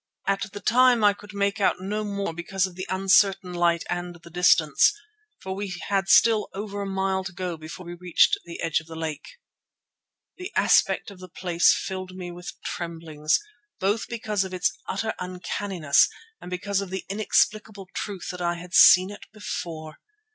At the time I could make out no more because of the uncertain light and the distance, for we had still over a mile to go before we reached the edge of the lake. The aspect of the place filled me with tremblings, both because of its utter uncanniness and because of the inexplicable truth that I had seen it before.